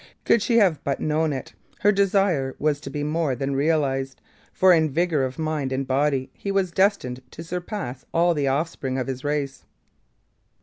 Could she have but known it, her desire was to be more than realized, for in vigour of mind and body he was destined to surpass all the offspring of his race.